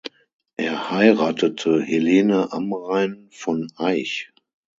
Er heiratete Helene Amrein von Eich.